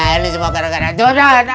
ini semua gara gara donat